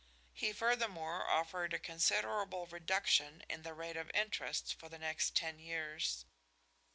He furthermore offered a considerable reduction in the rate of interest for the next ten years.